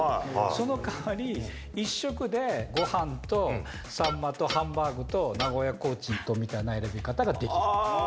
その代わり、１食でごはんとサンマとハンバーグと名古屋コーチンとみたいな選び方ができる。